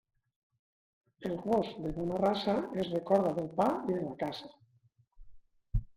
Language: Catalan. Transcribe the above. El gos de bona raça es recorda del pa i de la caça.